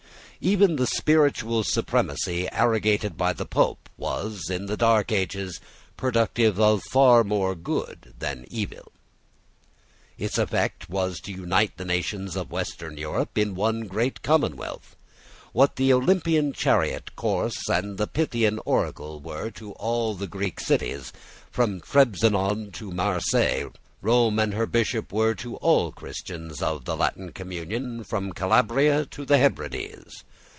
Even the spiritual supremacy arrogated by the Pope was, in the dark ages, productive of far more good than evil. Its effect was to unite the nations of Western Europe in one great commonwealth. What the Olympian chariot course and the Pythian oracle were to all the Greek cities, from Trebizond to Marseilles, Rome and her Bishop were to all Christians of the Latin communion, from Calabria to the Hebrides.